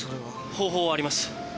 方法はあります。